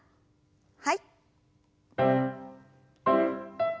はい。